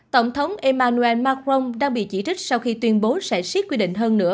tổng thống emmanuel macron đang bị chỉ trích sau khi tuyên bố sẽ siết quy định hơn nữa